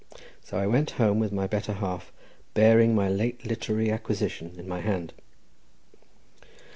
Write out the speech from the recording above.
So I went home with my better half, bearing my late literary acquisition in my hand.